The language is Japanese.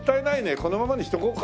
このままにしておこうか。